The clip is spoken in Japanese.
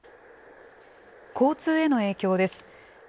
交通への影響です。